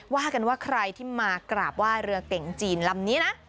ว่ากันว่าใครที่มากราบไหว้เรือเก่งจีนลำนี้นะ